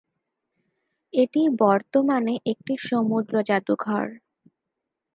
এটি বর্তমানে একটি সমুদ্র জাদুঘর।